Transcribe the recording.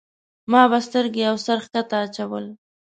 ما به سترګې او سر ښکته اچول.